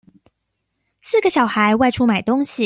四個小孩外出買東西